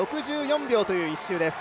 ６１秒という１周です。